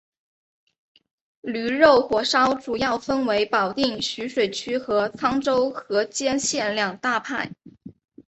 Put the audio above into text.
驴肉火烧主要分为保定徐水区和沧州河间县两大派。